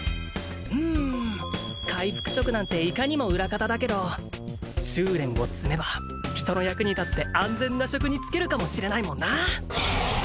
うん回復職なんていかにも裏方だけど修練を積めば人の役に立って安全な職に就けるかもしれないもんな